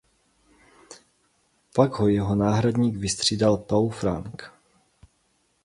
Pak ho jako náhradník vystřídal Paul Franke.